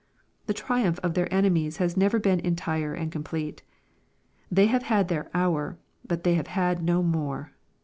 The triumph of their enemies has never been entire and complete. They have had their "hour," but they have had no more.